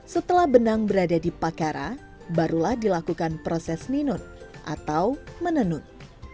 setelah benang berada di pakara barulah dilakukan proses ninun atau menenun